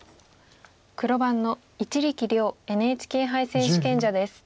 黒番の一力遼ＮＨＫ杯選手権者です。